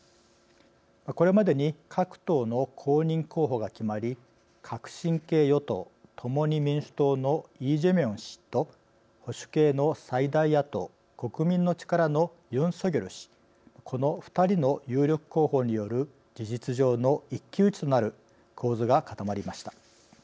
これまでに各党の公認候補が決まり革新系与党「共に民主党」のイ・ジェミョン氏と保守系の最大野党「国民の力」のユン・ソギョル氏この２人の有力候補による事実上の一騎打ちとなる構図が固まりました。